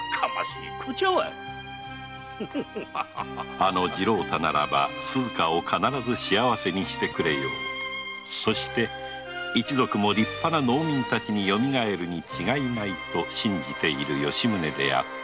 あの次郎太ならば鈴加を必ず幸せにしてくれようそして一族も立派な農民たちに甦るに違いないと信じている吉宗であった